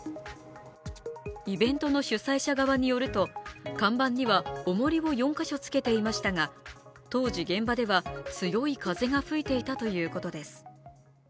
イベントの主催者側によると、看板にはおもりを４か所つけていましたが当時、現場では強い風が吹いていたということです。